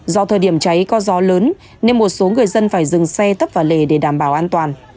do thời điểm cháy có gió lớn nên một số người dân phải dừng xe tấp vào lề để đảm bảo an toàn